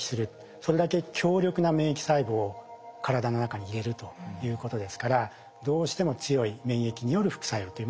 それだけ強力な免疫細胞を体の中に入れるということですからどうしても強い免疫による副作用というものは起こってきます。